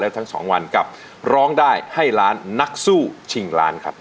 ทั้งสองวันกับร้องได้ให้ล้านนักสู้ชิงล้านครับ